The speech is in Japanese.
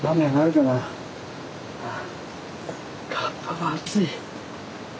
かっぱが暑い！